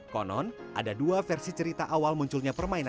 konon ada dua versi cerita awal munculnya permainan